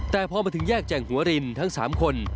แต่พอมาถึงแยกแจ่งหัวรินทั้ง๓คน